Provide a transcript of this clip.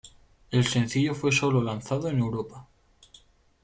El sencillo fue solo lanzado en Europa.